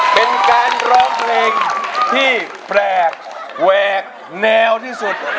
กล้องเพลงที่แปลกแวกแนวที่สุด